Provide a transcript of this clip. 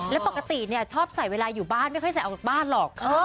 แล้วปกติชอบใส่เวลาอยู่บ้านไม่ค่อยใส่ออกจากบ้านหรอก